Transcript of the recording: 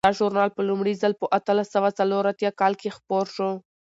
دا ژورنال په لومړي ځل په اتلس سوه څلور اتیا کال کې خپور شو.